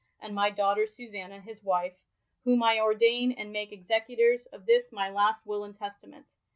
and my daughter Susanna, his wief, whom I ordaine and make executours of this my last will and testament.